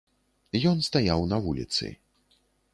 Ён стаяў на вуліцы.